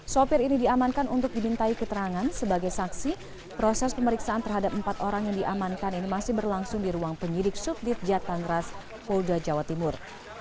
sopir ini diamankan untuk dimintai keterangan sebagai saksi proses pemeriksaan terhadap empat orang yang diamankan ini masih berlangsung di ruang penyidik subdit jatang ras polda jawa timur